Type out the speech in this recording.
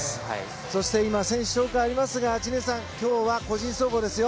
そして、今選手紹介がありますが知念さん今日は個人総合ですよ。